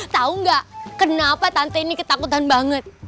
tahu nggak kenapa tante ini ketakutan banget